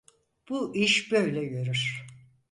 Bu iş böyle yürür.